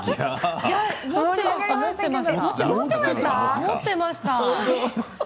持っていました。